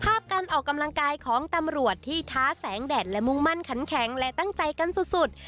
การออกกำลังกายของตำรวจที่ท้าแสงแดดและมุ่งมั่นขันแข็งและตั้งใจกันสุด